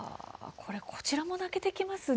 こちらも泣けてきますね。